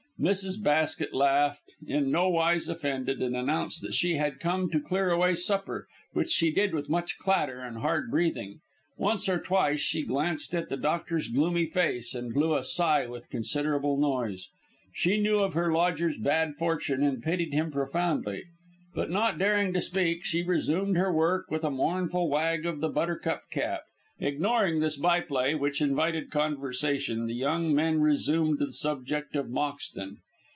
Mrs. Basket laughed, in nowise offended, and announced that she had come to clear away supper, which she did with much clatter and hard breathing. Once or twice she glanced at the doctor's gloomy face, and blew a sigh with considerable noise. She knew of her lodger's bad fortune, and pitied him profoundly; but not daring to speak, she resumed her work with a mournful wag of the buttercup cap. Ignoring this by play, which invited conversation, the young men resumed the subject of Moxton.